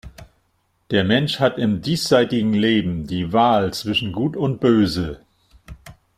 Der Mensch hat im diesseitigen Leben die Wahl zwischen Gut und Böse.